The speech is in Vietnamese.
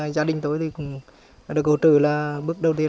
gia đình tôi cũng được hộ trừ là bước đầu tiên